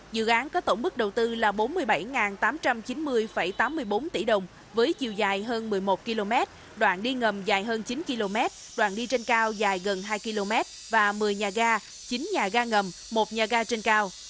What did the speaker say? dự án có tổng mức đầu tư là bốn mươi bảy tám trăm chín mươi tám mươi bốn tỷ đồng với chiều dài hơn một mươi một km đoạn đi ngầm dài hơn chín km đoạn đi trên cao dài gần hai km và một mươi nhà ga chín nhà ga ngầm một nhà ga trên cao